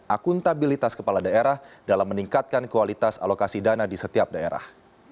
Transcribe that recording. akuntabilitas kepala daerah dalam meningkatkan kualitas alokasi dana di setiap daerah